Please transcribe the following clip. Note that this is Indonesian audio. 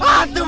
ada apaan sih